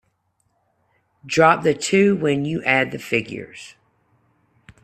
Drop the two when you add the figures.